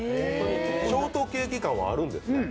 ショートケーキ感はあるんですね。